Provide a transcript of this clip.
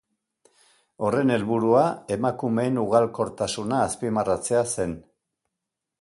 Horren helburua emakumeen ugalkortasuna azpimarratzea zen.